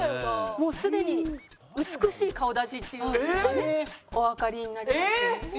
もうすでに美しい顔立ちっていうのがねおわかりになりますよね。